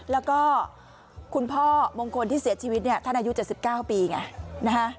แล้วก็คุณพ่อมงคลที่เสียชีวิตเนี่ยท่านอายุ๗๙ปีไงนะฮะ